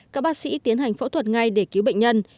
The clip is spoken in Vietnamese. các bác sĩ tiến hành phẫu thuật ngay để cứu bệnh nhân